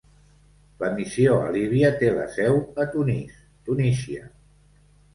La missió a Líbia té la seu a Tunis, Tunísia.